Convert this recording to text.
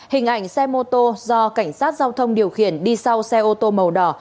hình ảnh xe mô tô do cảnh sát giao thông điều khiển đi sau xe ô tô màu đỏ